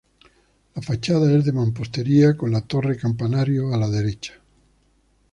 La fachada es de mampostería, con la torre-campanario a la derecha.